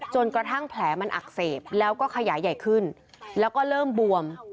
จนกระทั่งแผลมันอักเสบแล้วก็ขยายใหญ่ขึ้นแล้วก็เริ่มบวม